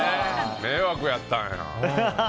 迷惑やったんやな。